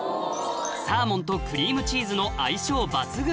サーモンとクリームチーズの相性抜群！